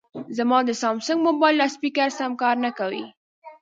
زما د سامسنګ مبایل لاسپیکر سم کار نه کوي